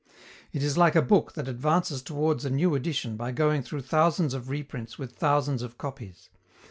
It is like a book that advances towards a new edition by going through thousands of reprints with thousands of copies.